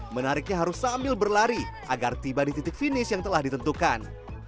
menariknya harus sambil berlari agar tiba di titik finish yang telah ditentukan